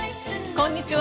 こんにちは。